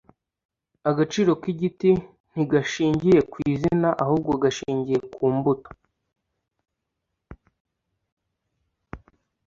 ’ Agaciro k’igiti ntigashingiye kw’izina, ahubwo gashingiye ku mbuto